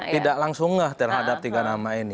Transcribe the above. tidak langsung terhadap tiga nama ini